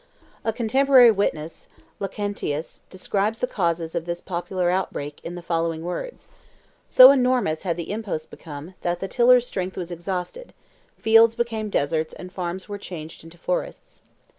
A contemporary witness, Lactantius, describes the causes of this popular outbreak in the following words: "So enormous had the imposts become, that the tillers' strength was exhausted; fields became deserts and farms were changed into forests.